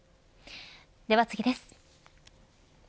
では次です。